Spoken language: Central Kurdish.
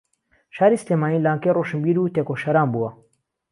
شاری سلێمانی لانکەی ڕۆشنبیر و تێکۆشەران بووە